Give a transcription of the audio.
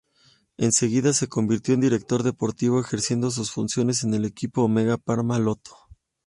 Enseguida se convirtió en director deportivo ejerciendo sus funciones en el equipo Omega Pharma-Lotto.